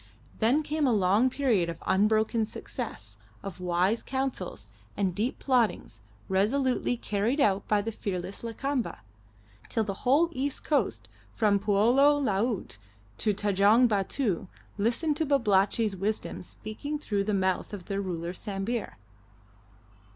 Then came a long period of unbroken success, of wise counsels, and deep plottings resolutely carried out by the fearless Lakamba, till the whole east coast from Poulo Laut to Tanjong Batu listened to Babalatchi's wisdom speaking through the mouth of the ruler of Sambir.